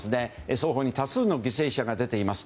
双方に多数の犠牲者が出ています。